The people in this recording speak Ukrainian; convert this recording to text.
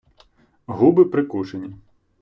Губи прикушені.